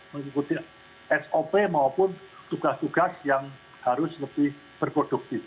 mengikuti sop maupun tugas tugas yang harus lebih berproduktif